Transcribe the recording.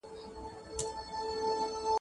ذهني فشار پر اړیکو اغېزه کوي.